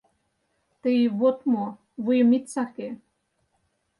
— Тый вот мо, вуйым ит саке.